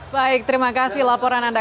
baik terima kasih laporan anda